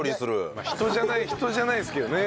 まあ人じゃない人じゃないですけどね。